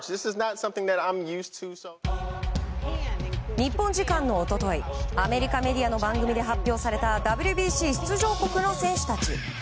日本時間の一昨日アメリカメディアの番組で発表されたＷＢＣ出場国の選手たち。